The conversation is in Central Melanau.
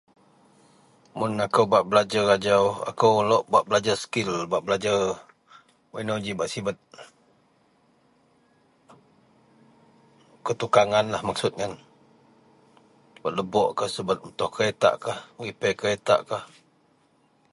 mun akou bak belajer ajau, akou lok bak belajer skil bak belajer wak inou ji bak sibet, pertukanganlah maksud ien, subet lebokkah subet metuh keretakkah, merepair keretak kah